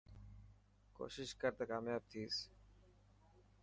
ڪوشش ڪر ته ڪامياب ٿيس.